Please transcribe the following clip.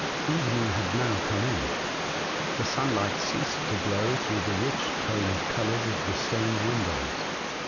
Evening had now come in. The sunlight ceased to glow through the rich toned colours of the stained windows.